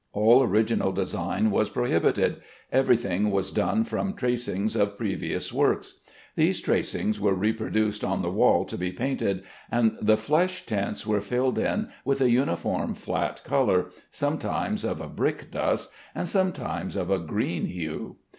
All original design was prohibited; every thing was done from tracings of previous works. These tracings were reproduced on the wall to be painted, and the flesh tints were filled in with a uniform flat color, sometimes of a brick dust and sometimes of a green hue.